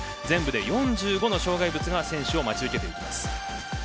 全部で４５の障害物が選手を待ち受けています。